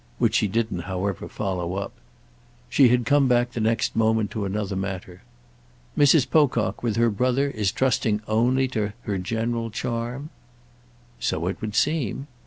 —which she didn't however follow up. She had come back the next moment to another matter. "Mrs. Pocock, with her brother, is trusting only to her general charm?" "So it would seem."